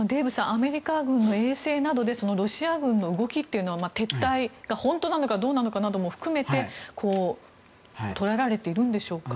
アメリカ軍の衛星などでそのロシア軍の動きというのは撤退が本当なのかどうかも含めて捉えられているんでしょうか。